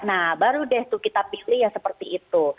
nah baru deh tuh kita pilih yang seperti itu